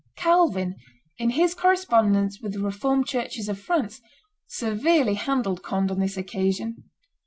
Calvin, in his correspondence with the Reformed churches of France, severely handled Conde on this occasion.